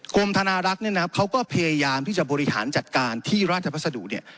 กรมธนารักษ์พยายามจะบริหารการที่ราชภาษาดุ